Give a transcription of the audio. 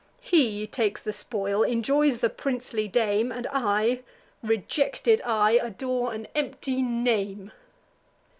He takes the spoil, enjoys the princely dame; And I, rejected I, adore an empty name."